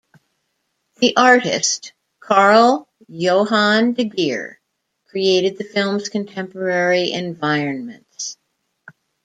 The artist Carl Johan De Geer created the film's contemporary environments.